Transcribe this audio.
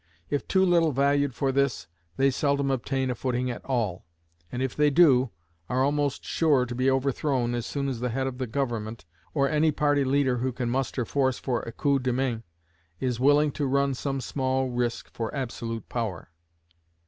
If too little valued for this, they seldom obtain a footing at all, and if they do, are almost sure to be overthrown as soon as the head of the government, or any party leader who can muster force for a coup de main, is willing to run some small risk for absolute power.